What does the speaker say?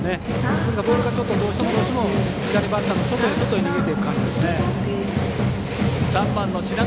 ですから、ボールがどうしても左バッターの外へ外へ逃げていく感じですね。